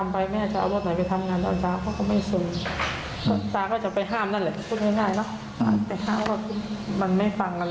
ไปห้ามมันไม่ฟังกันแล้วนะ